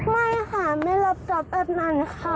ไม่ค่ะไม่รับตอบแบบนั้นค่ะ